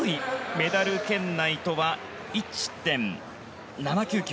メダル圏内とは１．７９９。